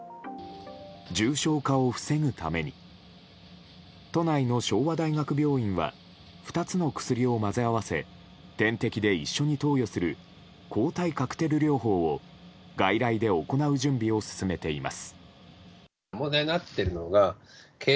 重症化を防ぐために都内の昭和大学病院は２つの薬を混ぜ合わせ点滴で一緒に投与する抗体カクテル療法を外来で行う準備を進めています。